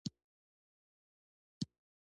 دا هنري بڼې ټولې اروپا ته وغزیدلې.